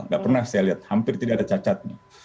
gak pernah saya lihat hampir tidak ada cacatnya